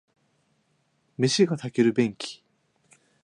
飯が炊ける便器